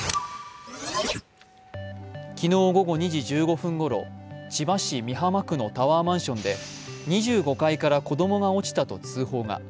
昨日午後２時１５分ごろ、千葉市美浜区のタワーマンションで２５階から子供が落ちたと通報が。